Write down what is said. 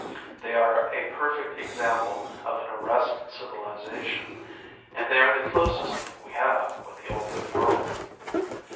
They are a perfect example of an arrested civilization and they are the closest link we have with the Old World.